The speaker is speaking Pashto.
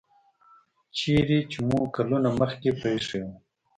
چیرته چې مو کلونه مخکې پریښی و